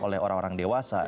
oleh orang orang dewasa